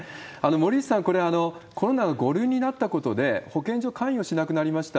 森内さん、これ、コロナが５類になったことで、保健所関与しなくなりました。